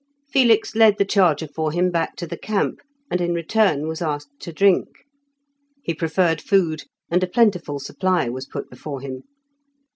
Felix led the charger for him back to the camp, and in return was asked to drink. He preferred food, and a plentiful supply was put before him.